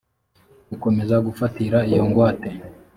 gukomeza gufatira iyo ngwate